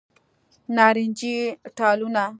نارنجې ټالونه